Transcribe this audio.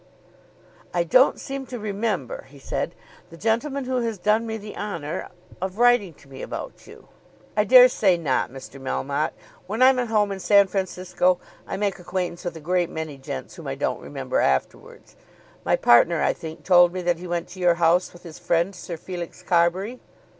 "I don't seem to remember," he said, "the gentleman who has done me the honour of writing to me about you." "I dare say not, Mr. Melmotte. When I'm at home in San Francisco, I make acquaintance with a great many gents whom I don't remember afterwards. My partner I think told me that he went to your house with his friend, Sir Felix Carbury."